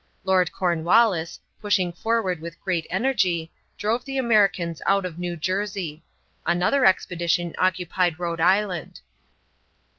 Lord Cornwallis, pushing forward with great energy, drove the Americans out of New Jersey. Another expedition occupied Rhode Island.